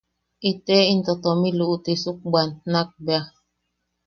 Ite into tomi luʼutisuk bwan nakbea.